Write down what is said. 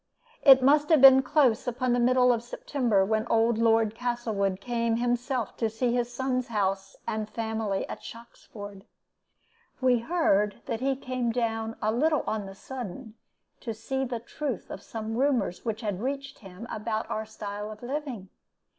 "It must have been close upon the middle of September when old Lord Castlewood came himself to see his son's house and family at Shoxford. We heard that he came down a little on the sudden to see to the truth of some rumors which had reached him about our style of living.